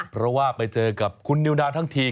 เพราะว่าไปเจอกับคุณนิวนาวทั้งที